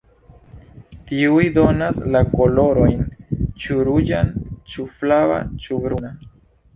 Tiuj donas la kolorojn ĉu ruĝan ĉu flava ĉu bruna.